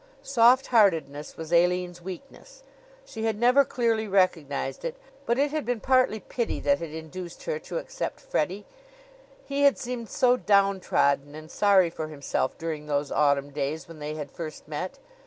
Soft heartedness was Aline's weakness. She had never clearly recognized it, but it had been partly pity that had induced her to accept Freddie; he had seemed so downtrodden and sorry for himself during those Autumn days when they had first met.